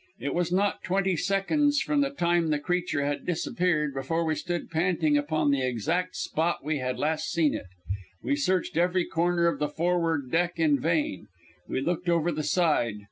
It was not twenty seconds from the time the creature had disappeared before we stood panting upon the exact spot we had last seen it. We searched every corner of the forward deck in vain. We looked over the side.